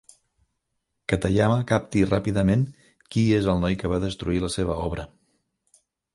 Katayama capti ràpidament qui és el noi que va destruir la seva obra.